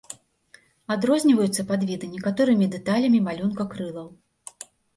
Адрозніваюцца падвіды некаторымі дэталямі малюнка крылаў.